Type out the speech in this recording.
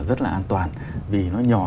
rất là an toàn vì nó nhỏ